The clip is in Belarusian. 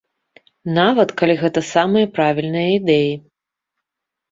Нават калі гэта самыя правільныя ідэі.